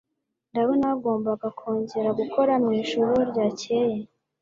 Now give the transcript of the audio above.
Ndabona wagombaga kongera gukora mwijoro ryakeye